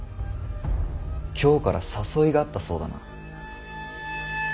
京から誘いがあったそうだな。